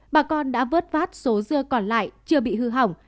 bà con đã vớt vát số dưa còn lại chưa bị hư hỏng